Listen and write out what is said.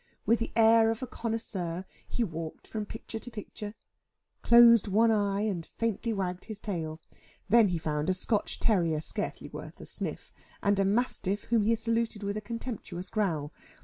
With the air of a connoisseur he walked from picture to picture, closed one eye, and faintly wagged his tail. Then he found a Scotch terrier scarcely worth a sniff, and a mastiff whom he saluted with a contemptuous growl.